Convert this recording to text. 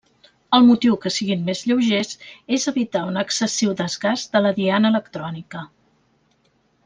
El motiu que siguin més lleugers és evitar un excessiu desgast de la diana electrònica.